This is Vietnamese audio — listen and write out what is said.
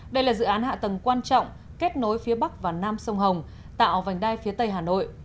đây là dự án hạ tầng quan trọng kết nối phía bắc và nam sông hồng tạo vành đai phía tây hà nội